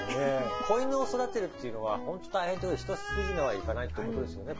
子犬を育てるっていうのは本当大変一筋縄ではいかないってことですよね？